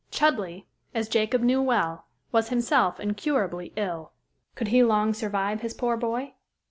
Chudleigh, as Jacob knew well, was himself incurably ill. Could he long survive his poor boy?